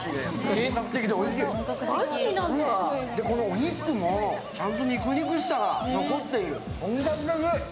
お肉も、ちゃんと肉々しさが残ってる。